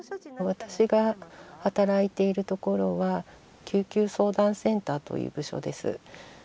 私が働いている所は救急相談センターという部署です。